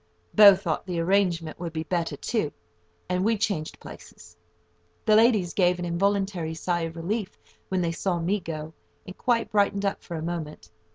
Bow thought the arrangement would be better too, and we changed places. The ladies gave an involuntary sigh of relief when they saw me go, and quite brightened up for a moment.